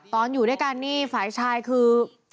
อยู่ด้วยกันนี่ฝ่ายชายคือ